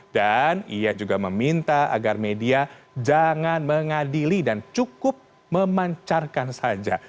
dan ia juga meminta agar media jangan mengadili dan cukup memancarkan saja